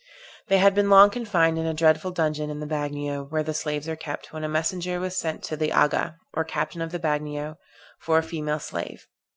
They had been long confined in a dreadful dungeon in the Bagnio where the slaves are kept, when a messenger was sent to the Aga, or Captain of the Bagnio, for a female slave.